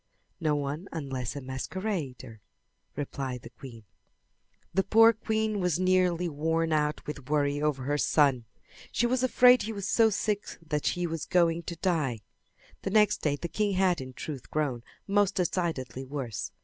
"No one unless a masquerader," replied the queen. The poor queen was nearly worn out with worry over her son. She was afraid he was so sick that he was going to die. The next day the king had in truth grown most decidedly worse.